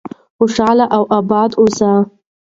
خوشحاله او آباد اوسئ.